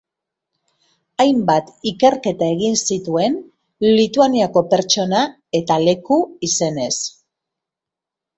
Hainbat ikerketa egin zituen Lituaniako pertsona- eta leku-izenez.